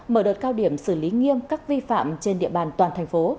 mở đợt cao điểm xử lý nghiêm các vi phạm trên địa bàn toàn thành phố